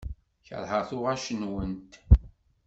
Keṛheɣ tuɣac-nwent.